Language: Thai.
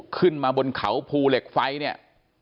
ขึ้นมาบนเขาภูเหล็กไฟเนี่ย